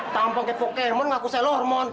tampang ke pokemon gak usah lo hormon